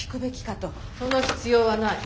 その必要はない。